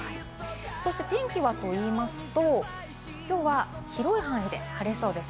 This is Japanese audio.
そして天気はといいますと、きょうは広い範囲で晴れそうです。